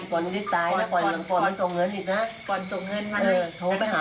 ก่อนที่ตายนะก่อนมันส่งเงินอีกนะ